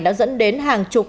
đã dẫn đến hàng chục